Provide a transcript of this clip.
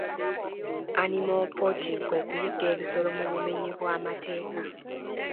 Animal poaching kwe kuyigga ebisolo mu bumenyi bw'amateeka.